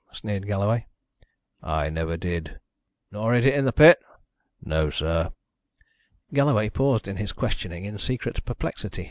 sneered Galloway. "I never did." "Nor hid it in the pit?" "No, sir." Galloway paused in his questioning in secret perplexity.